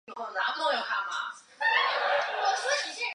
瓢箪藤棒粉虱为粉虱科棒粉虱属下的一个种。